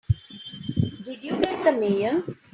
Did you get the Mayor?